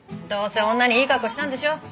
どうせ女にいいカッコしたんでしょ？